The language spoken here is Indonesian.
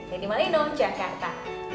jadi malam ini jakarta